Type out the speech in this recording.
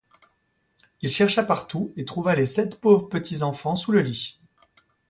Il chercha partout et trouva les sept pauvres petits enfants sous le lit.